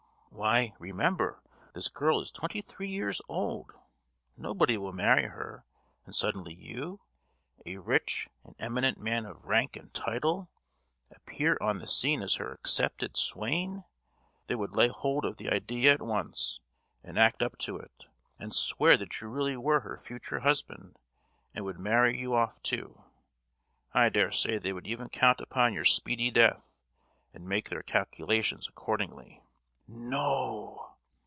"Why, remember, this girl is twenty three years old. Nobody will marry her, and suddenly you, a rich and eminent man of rank and title, appear on the scene as her accepted swain. They would lay hold of the idea at once, and act up to it, and swear that you really were her future husband, and would marry you off, too. I daresay they would even count upon your speedy death, and make their calculations accordingly." "No!"